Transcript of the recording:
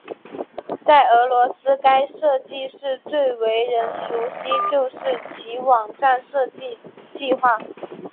在俄罗斯该设计室最为人熟悉就是其网站设计计划。